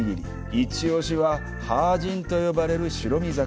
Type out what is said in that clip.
一押しは、ハージンと呼ばれる白身魚。